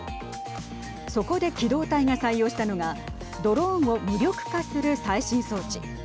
そこで機動隊が採用したのがドローンを無力化する最新装置。